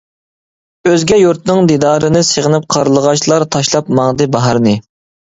ئۆزگە يۇرتنىڭ دىدارىنى سېغىنىپ قارلىغاچلار تاشلاپ ماڭدى باھارنى.